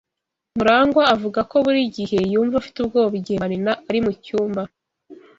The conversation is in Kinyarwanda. MuragwA avuga ko buri gihe yumva afite ubwoba igihe Marina ari mucyumba.